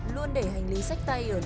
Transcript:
luôn để hành lý sách tay ở nơi quy định